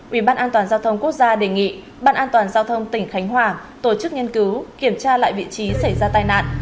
ubnd giao thông quốc gia đề nghị ubnd giao thông tỉnh khánh hòa tổ chức nghiên cứu kiểm tra lại vị trí xảy ra tai nạn